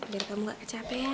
biar kamu gak kecapek ya